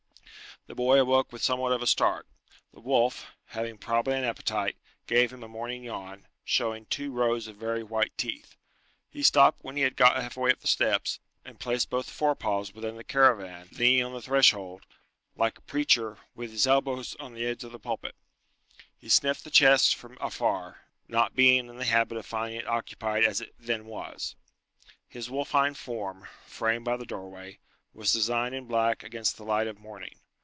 The boy awoke with somewhat of a start. The wolf, having probably an appetite, gave him a morning yawn, showing two rows of very white teeth. He stopped when he had got halfway up the steps, and placed both forepaws within the caravan, leaning on the threshold, like a preacher with his elbows on the edge of the pulpit. He sniffed the chest from afar, not being in the habit of finding it occupied as it then was. His wolfine form, framed by the doorway, was designed in black against the light of morning.